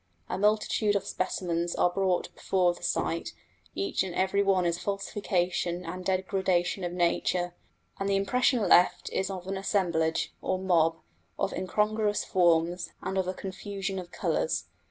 A multitude of specimens are brought before the sight, each and every one a falsification and degradation of nature, and the impression left is of an assemblage, or mob, of incongruous forms, and of a confusion of colours.